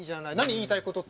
言いたいことって。